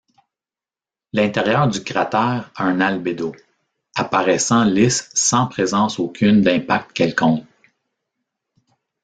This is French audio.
L'intérieur du cratère a un albédo, apparaissant lisse sans présence aucune d'impacts quelconques.